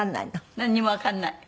なんにもわかんない。